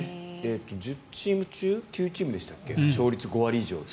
１０チーム中９チームでしたっけ勝率５割以上。